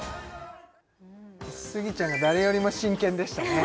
スギちゃんが誰よりも真剣でしたね